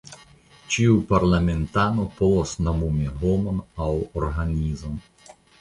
Ĉiu parlamentano povas nomumi homon aŭ organizon.